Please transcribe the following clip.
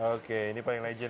oke ini paling legend